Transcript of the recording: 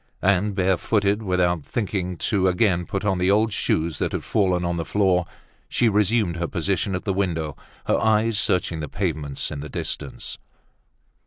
And bare footed, without thinking to again put on the old shoes that had fallen on the floor, she resumed her position at the window, her eyes searching the pavements in the distance.